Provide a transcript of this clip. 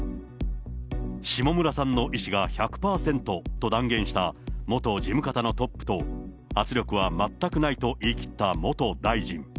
下村さんの意思が１００％と断言した元事務方のトップと、圧力は全くないと言い切った元大臣。